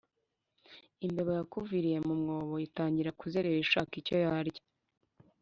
imbeba yakuviriye mu mwobo itangira kuzerera ishaka icyo yarya